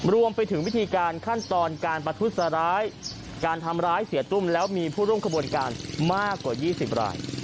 รวมไปถึงวิธีการขั้นตอนการประทุษร้ายการทำร้ายเสียตุ้มแล้วมีผู้ร่วมขบวนการมากกว่า๒๐ราย